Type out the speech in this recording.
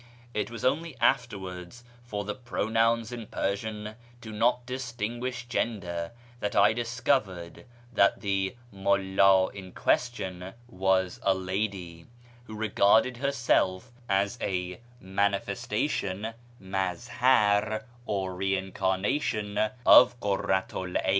It was only afterwards (for the pronouns in Persian do not distinguish gender) that I discovered that the " Mulla " in question was a lady, who regarded herself as a " manifestation " {maz har), or re incarnation, of Kurratu 'l 'Ayn.